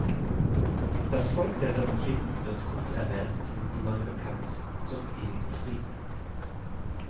Das Volk der Samojeden wird kurz erwähnt in Immanuel Kants "Zum ewigen Frieden".